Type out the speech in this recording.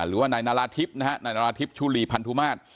หรือว่าในนาราทิพย์นะฮะในนาราทิพย์ชุลีพันธุมาตร